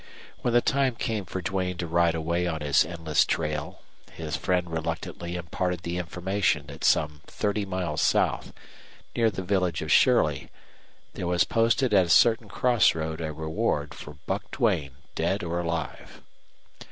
When the time came for Duane to ride away on his endless trail his friend reluctantly imparted the information that some thirty miles south, near the village of Shirley, there was posted at a certain cross road a reward for Buck Duane dead or alive.